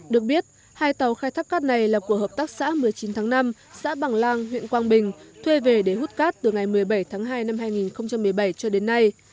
được biết hai tàu khai thác cát này là của hợp tác xã một mươi chín tháng năm xã bằng lang huyện quang bình thuê về để hút cát từ ngày một mươi bảy tháng hai năm hai nghìn một mươi bảy cho đến nay